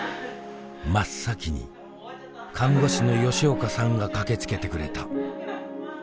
真っ先に看護師の吉岡さんが駆けつけてくれた。